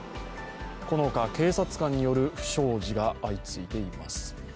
このほか、警察官による不祥事が相次いでいます。